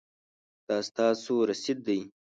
دا ستاسو رسید دی